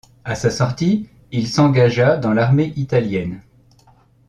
À sa sortie, il s'engagea dans l'armée italienne.